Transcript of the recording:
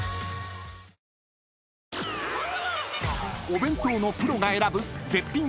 ［お弁当のプロが選ぶ絶品次くる弁当］